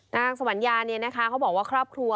นางสวัญญาเนี่ยนะคะเขาบอกว่าครอบครัว